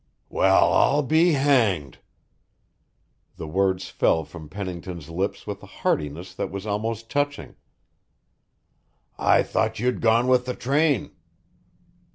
"Well, I'll be hanged!" The words fell from Pennington's lips with a heartiness that was almost touching. "I thought you'd gone with the train."